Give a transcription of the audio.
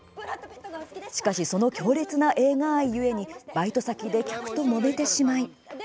しかし、その強烈な映画愛故にバイト先で客ともめてしまい。